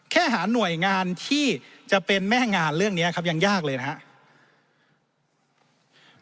หาหน่วยงานที่จะเป็นแม่งานเรื่องนี้ครับยังยากเลยนะครับ